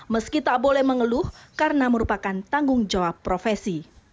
meski tak boleh mengeluh karena merupakan tanggung jawab profesi